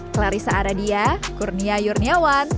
clarissa aradia kurnia yurniawan